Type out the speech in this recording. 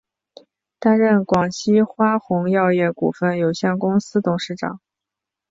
担任广西花红药业股份有限公司董事长。